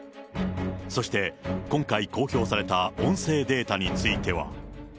そして、今回公表された音声データについては。